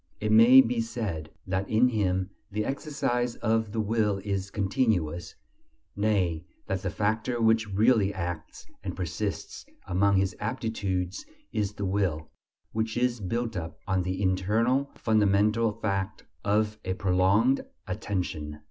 It may be said that in him the exercise of the will is continuous; nay, that the factor which really acts and persists among his aptitudes is the will, which is built up on the internal fundamental fact of a prolonged attention.